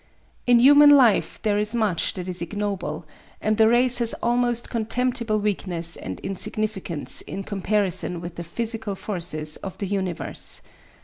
In human life there is much that is ignoble, and the race has almost contemptible weakness and insignificance in comparison with the physical forces of the universe.